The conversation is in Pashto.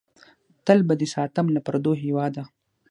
تل به دې ساتم له پردو هېواده!